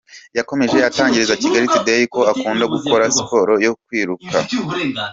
yakomeje atangariza Kigali Tudeyi ko akunda gukora siporo yo kwiruka.